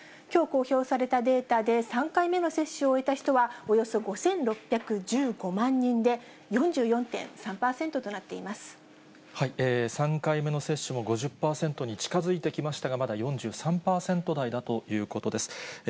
きょう公表されたデータで、３回目の接種を終えた人は、およそ５６１５万人で、４４．３３回目の接種も５０％に近づいてきましたが、まだ４３％台だということです。